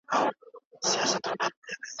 هغه په دولس کلنۍ کې په جګړو کې برخه واخیستله.